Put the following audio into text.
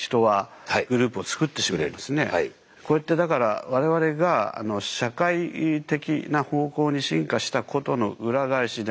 これってだから我々が社会的な方向に進化したことの裏返しでもあると。